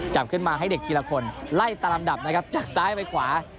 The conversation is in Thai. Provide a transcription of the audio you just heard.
จับขึ้นมาให้เด็กทีละคนไล่ตามดับจากซ้ายไปขวา